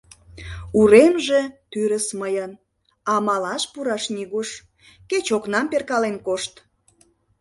Уремже — тӱрыс мыйын, а малаш пураш нигуш, кеч окнам перкален кошт.